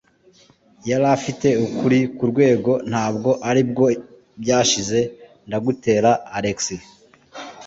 Yari afite ukuri, kurwego Ntabwo aribwo byashize ndagutera, Alex.